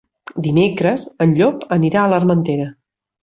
Dimecres en Llop anirà a l'Armentera.